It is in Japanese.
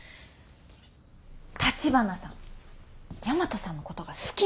橘さん大和さんのことが好きなんや。